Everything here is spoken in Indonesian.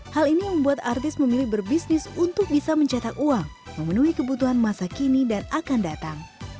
hal ini membuat artis memilih berbisnis untuk bisa mencetak uang memenuhi kebutuhan masa kini dan akan datang